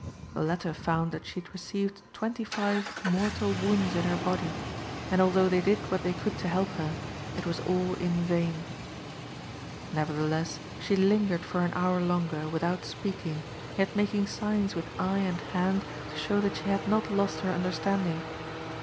The latter found that she had received twenty five mortal wounds in her body, and although they did what they could to help her, it was all in vain. Nevertheless she lingered for an hour longer without speaking, yet making signs with eye and hand to show that she had not lost her understanding.